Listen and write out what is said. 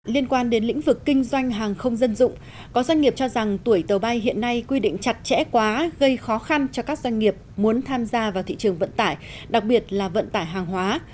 liên quan đến lĩnh vực kinh doanh hàng không dân dụng có doanh nghiệp cho rằng tuổi tàu bay hiện nay quy định chặt chẽ quá gây khó khăn cho các doanh nghiệp muốn tham gia vào thị trường vận tải đặc biệt là vận tải hàng hóa